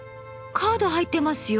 カード入ってますよ。